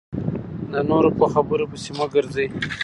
د نورو په خبرو پسې مه ګرځئ .